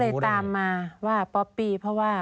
เขาก็เลยตามมาว่าบ๊อบปปี้เพราะว่า